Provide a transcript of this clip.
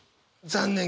残念。